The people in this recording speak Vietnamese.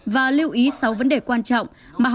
và lưu ý sáu vấn đề quan trọng